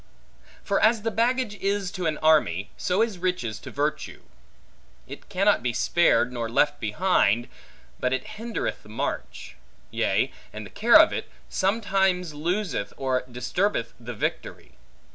For as the baggage is to an army, so is riches to virtue. It cannot be spared, nor left behind, but it hindereth the march; yea, and the care of it, sometimes loseth or disturbeth the victory.